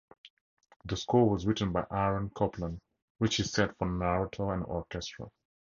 The score was written by Aaron Copland, which he set for narrator and orchestra.